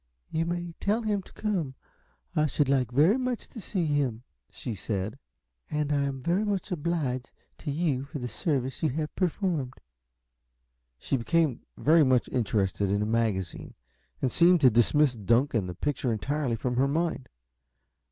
"You may tell him to come I should like very much to see him," she said. "And I am very much obliged to you for the service you have performed." She became very much interested in a magazine, and seemed to dismiss Dunk and the picture entirely from her mind.